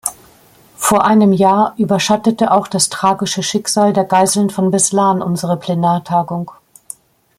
Vor einem Jahr überschattete auch das tragische Schicksal der Geiseln von Beslan unsere Plenartagung.